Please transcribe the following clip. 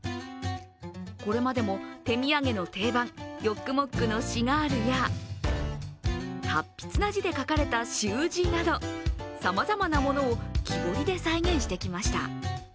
これまでも手土産の定番ヨックモックのシガールや達筆な字で書かれた習字など、さまざまなものを木彫りで再現してきました。